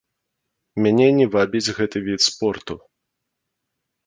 Мяне не вабіць гэты від спорту.